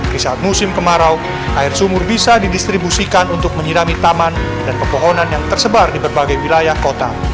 di saat musim kemarau air sumur bisa didistribusikan untuk menyirami taman dan pepohonan yang tersebar di berbagai wilayah kota